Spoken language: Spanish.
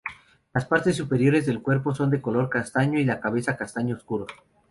Las partes superiores del cuerpo son color castaño, y la cabeza castaño oscuro.